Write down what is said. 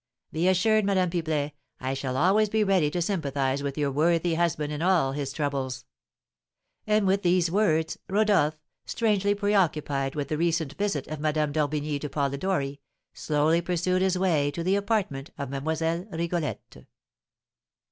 "Be assured, Madame Pipelet, I shall always be ready to sympathise with your worthy husband in all his troubles." And with these words Rodolph, strangely preoccupied with the recent visit of Madame d'Orbigny to Polidori, slowly pursued his way to the apartment of Mlle. Rigolette.